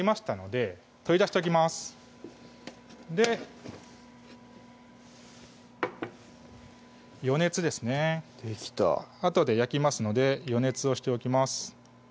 できたあとで焼きますので予熱をしておきます